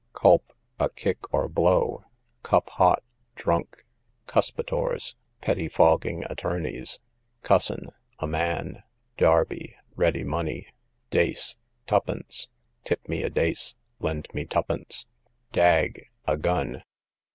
Culp, a kick, or blow. Cup hot, drunk. Cursitors, pettyfogging attornies. Cussin, a man. Darby, ready money. Dace, twopence;—tip me a dace; lend me twopence. Dag, a gun.